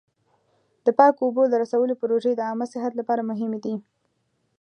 د پاکو اوبو د رسولو پروژې د عامه صحت لپاره مهمې دي.